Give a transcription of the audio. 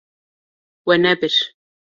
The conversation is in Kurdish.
We nebir.